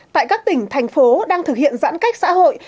tại các tỉnh thành phố đang thực hiện giãn cách xã hội